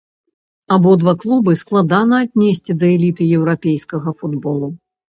Абодва клубы складана аднесці да эліты еўрапейскага футболу.